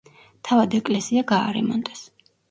თავად ეკლესია გაარემონტეს.